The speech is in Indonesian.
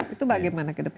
itu bagaimana ke depan